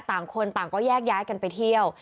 ต่างคนต่างก็แยกย้ายกันไปเที่ยว